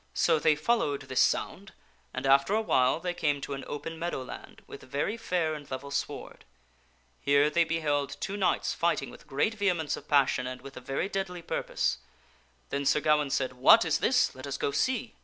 So they followed this sound, and after a while they came to an open meadow land with very fair and level sward. Here they be held two knights fighting with great vehemence of passion, and with a very deadly purpose. Then Sir Gawaine said, " What is this? Let us go see."